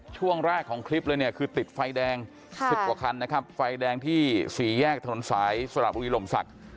ช่วงแรกของคลิปเลยเนี่ยคือติดไฟแดง๑๐กว่าคันนะครับไฟแดงที่สี่แยกถนนสายสระบุรีลมศักดิ์